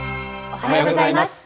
おはようございます。